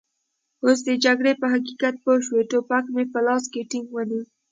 اوس د جګړې په حقیقت پوه شوي، ټوپک مې په لاس کې ټینګ ونیو.